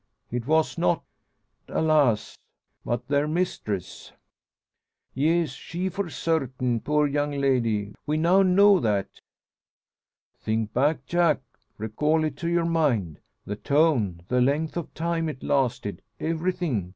It was not, alas! But their mistress." "Yes; she for sartin, poor young lady! We now know that." "Think back, Jack! Recall it to your mind; the tone, the length of time it lasted everything.